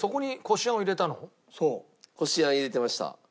こしあん入れてました。